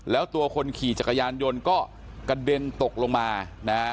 แล้วตัวคนขี่จักรยานยนต์ก็กระเด็นตกลงมานะฮะ